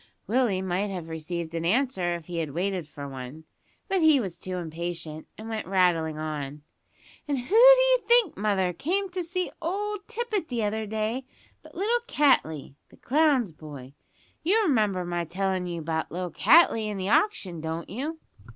Willie might have received an answer if he had waited for one, but he was too impatient, and went rattling on. "And who d'ye think, mother, came to see old Tippet the other day, but little Cattley, the clown's boy. You remember my tellin' you about little Cattley and the auction, don't you?"